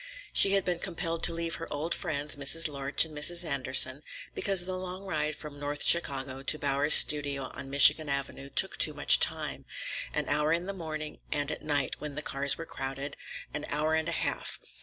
She had been compelled to leave her old friends Mrs. Lorch and Mrs. Andersen, because the long ride from North Chicago to Bowers's studio on Michigan Avenue took too much time—an hour in the morning, and at night, when the cars were crowded, an hour and a half.